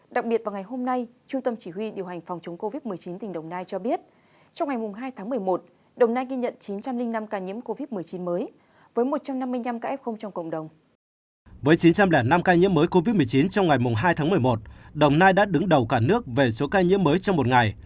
với chín trăm linh năm ca nhiễm mới covid một mươi chín trong ngày hai tháng một mươi một đồng nai đã đứng đầu cả nước về số ca nhiễm mới trong một ngày